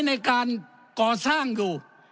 ในการก่อสร้างอยู่